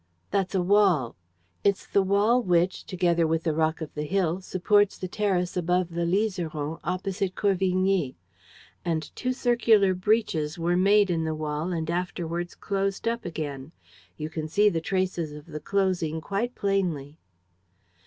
"That's a wall." "It's the wall which, together with the rock of the hill, supports the terrace above the Liseron, opposite Corvigny. And two circular breaches were made in the wall and afterwards closed up again. You can see the traces of the closing quite plainly."